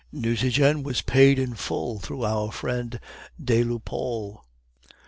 "(Nucingen was paid in full through our friend des Lupeaulx.)